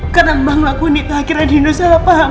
karena mbak ngelakuin itu akhirnya dino salah paham